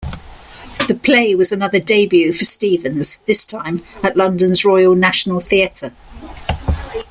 The play was another debut for Stephens, this time at London's Royal National Theatre.